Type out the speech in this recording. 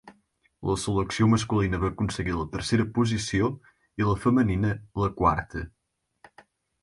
La selecció masculina va aconseguir la tercera posició i la femenina, la quarta.